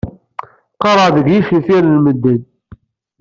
Qqareɣ deg yicenfiren n medden.